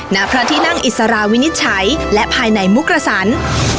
ณพระที่นั่งอิสราวินิจฉัยและภายในมุกษัน